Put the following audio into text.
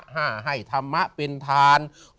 ห้าให้ธรรมะเป็นทาน